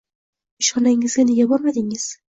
-Ishxonangizga nega bormadingiz?